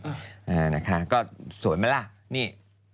อ่าวได้ไหมค่ะก็สวยไหมและนี่